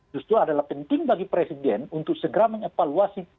justru adalah penting bagi presiden untuk segera mengevaluasi